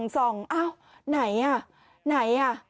ส่องอ้าวไหนอ่ะไหนอ่ะ